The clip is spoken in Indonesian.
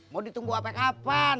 mau ditunggu apa kapan